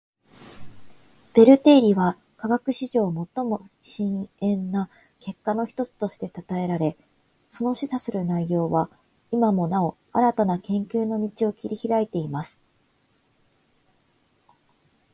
ベル定理は科学史上最も深遠な結果の一つとして讃えられ，その示唆する内容は今もなお新たな研究の道を切り拓いています．